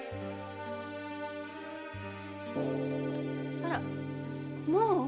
・あらもう？